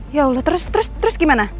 ya allah terus terus gimana